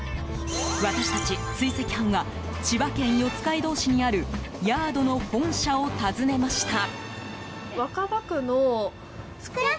私たち、追跡班は千葉県四街道市にあるヤードの本社を訪ねました。